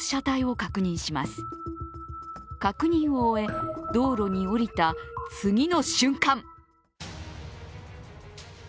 確認を終え、道路に降りた次の瞬間